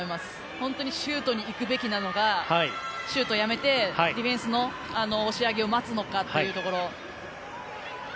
本当にシュートにいくべきなのかシュートやめてディフェンスの押し上げを待つのかというところ。